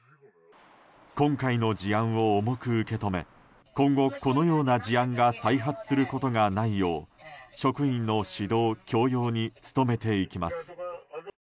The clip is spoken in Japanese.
今回の事案を重く受け止め今後このような事案が再発することがないよう職員の指導教養に努めていきます。